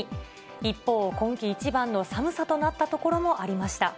一方、今季一番の寒さとなった所もありました。